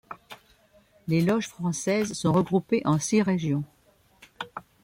Les loges françaises sont regroupées en six régions.